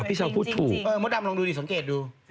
ดำลงดูสังเกตดู